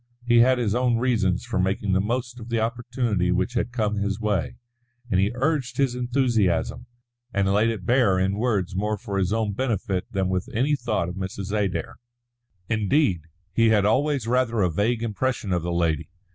He had his own reasons for making the most of the opportunity which had come his way; and he urged his enthusiasm, and laid it bare in words more for his own benefit than with any thought of Mrs. Adair. Indeed, he had always rather a vague impression of the lady.